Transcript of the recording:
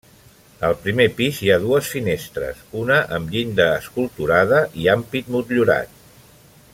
Al primer pis hi ha dues finestres, una amb llinda esculturada i ampit motllurat.